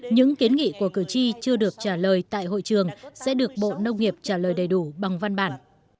những kiến nghị của cử tri chưa được trả lời tại hội trường sẽ được bộ nông nghiệp trả lời đầy đủ bằng văn bản